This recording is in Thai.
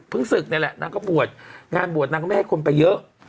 ศึกนี่แหละนางก็บวชงานบวชนางก็ไม่ให้คนไปเยอะ